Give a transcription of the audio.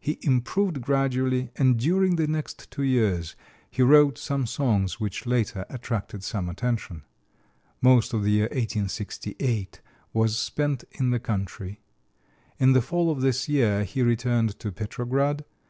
He improved gradually, and during the next two years he wrote some songs which later attracted some attention. Most of the year 1868 was spent in the country. In the fall of this year he returned to Petrograd.